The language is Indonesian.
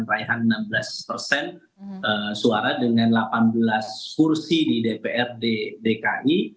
raihan enam belas persen suara dengan delapan belas kursi di dprd dki